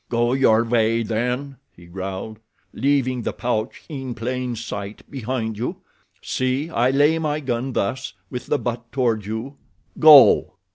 "Go your way, then," he growled, "leaving the pouch in plain sight behind you. See, I lay my gun thus, with the butt toward you. Go."